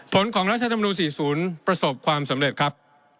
ผลของรัฐธรรมนูล๔๐ประสบความสำเร็จครับ